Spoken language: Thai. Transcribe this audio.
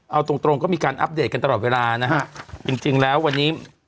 เอาตรงตรงก็มีการอัปเดตกันตลอดเวลานะฮะจริงจริงแล้ววันนี้